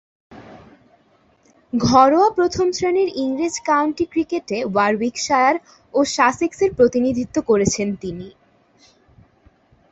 ঘরোয়া প্রথম-শ্রেণীর ইংরেজ কাউন্টি ক্রিকেটে ওয়ারউইকশায়ার ও সাসেক্সের প্রতিনিধিত্ব করেছেন তিনি।